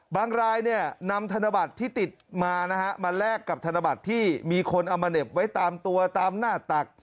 รายเนี่ยนำธนบัตรที่ติดมานะฮะมาแลกกับธนบัตรที่มีคนเอามาเหน็บไว้ตามตัวตามหน้าตัก